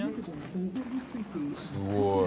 すごい。